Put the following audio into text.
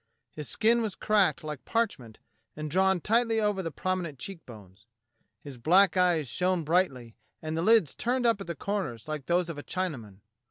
His skin was cracked like parchment and drawn tightly over the prominent cheekbones. His black eyes shone brightly, and the lids turned up at the corners like those of a Chinaman.